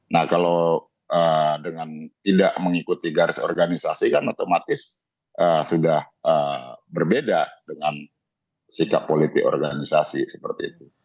nah kalau dengan tidak mengikuti garis organisasi kan otomatis sudah berbeda dengan sikap politik organisasi seperti itu